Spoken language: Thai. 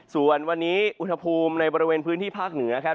ส่วนวันนี้อุณหภูมิในบริเวณพื้นที่ภาคเหนือครับ